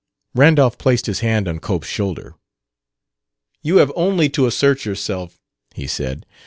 Randolph placed his hand on Cope's shoulder. "You have only to assert yourself," he said.